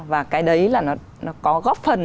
và cái đấy là nó có góp phần